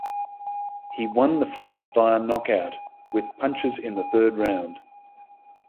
He won the fight via knockout with punches in the third round.